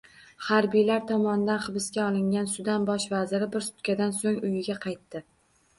Harbiylar tomonidan hibsga olingan Sudan bosh vaziri bir sutkadan so‘ng uyiga qaytdi